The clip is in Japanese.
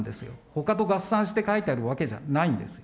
ほかと合算して書いてるわけじゃないんです。